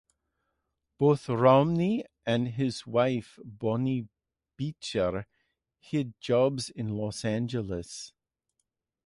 Both Romney and his wife, Bonnie Beecher, had jobs in Los Angeles.